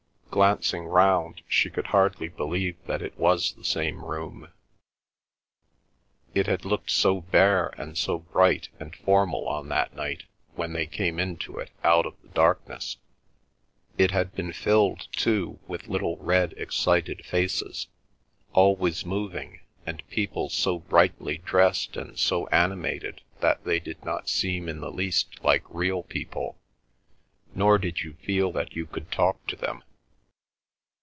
Glancing round, she could hardly believe that it was the same room. It had looked so bare and so bright and formal on that night when they came into it out of the darkness; it had been filled, too, with little red, excited faces, always moving, and people so brightly dressed and so animated that they did not seem in the least like real people, nor did you feel that you could talk to them.